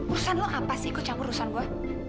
urusan lo apa sih ikut campur urusan gue